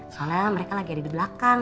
soalnya mereka lagi ada di belakang